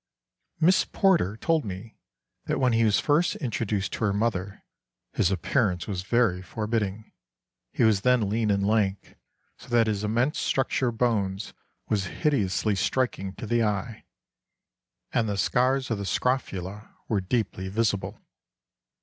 ] "Miss Porter told me, that when he was first introduced to her mother, his appearance was very forbidding; he was then lean and lank, so that his immense structure of bones was hideously striking to the eye, and the scars of the scrofula were deeply visible.